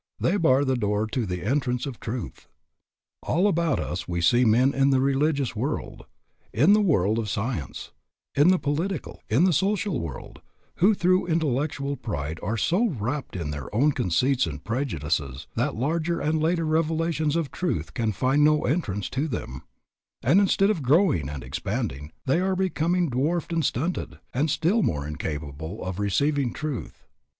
They bar the door to the entrance of truth. All about us we see men in the religious world, in the world of science, in the political, in the social world, who through intellectual pride are so wrapped in their own conceits and prejudices that larger and later revelations of truth can find no entrance to them; and instead of growing and expanding, they are becoming dwarfed and stunted, and still more incapable of receiving truth.